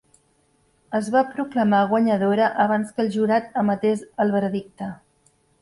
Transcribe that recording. Es va proclamar guanyadora abans que el jurat emetés el veredicte.